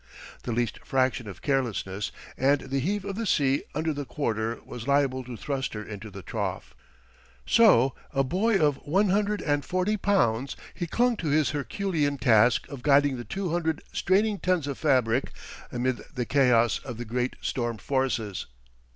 The least fraction of carelessness and the heave of the sea under the quarter was liable to thrust her into the trough. So, a boy of one hundred and forty pounds, he clung to his herculean task of guiding the two hundred straining tons of fabric amid the chaos of the great storm forces.